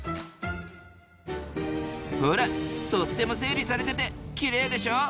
ほらとっても整理されててきれいでしょ？